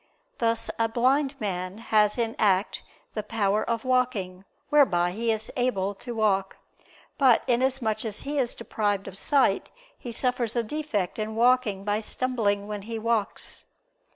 Thus a blind man has in act the power of walking, whereby he is able to walk; but inasmuch as he is deprived of sight he suffers a defect in walking by stumbling when he walks.